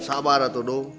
sabar tuh dong